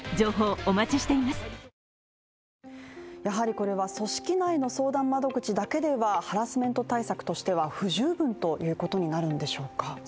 これは組織内の相談窓口だけではハラスメント対策としては不十分ということになるんでしょうか？